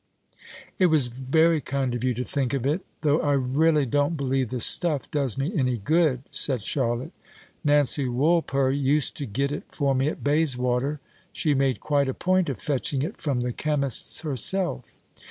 "It was very kind of you to think of it, though I really don't believe the stuff does me any good," said Charlotte. "Nancy Woolper used to get it for me at Bayswater. She made quite a point of fetching it from the chemist's herself."